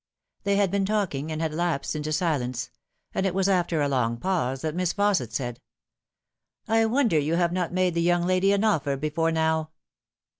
They had been talking, and had lapsed into silence ; and it was after a long pause that Miss Fausset said, " I wonder you have not made the young lady an offer before now."